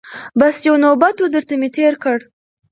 بس یو نوبت وو درته مي تېر کړ